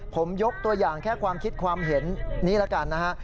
ผมยกตัวอย่างแค่ความคิดความเห็นนี้แล้วกันนะฮะ